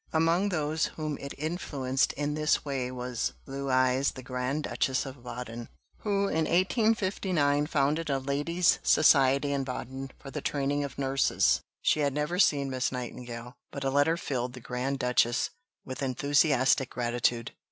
Among those whom it influenced in this way was Luise, the Grand Duchess of Baden, who in 1859 founded a Ladies' Society in Baden for the training of nurses. She had never seen Miss Nightingale, but a letter filled the Grand Duchess with enthusiastic gratitude.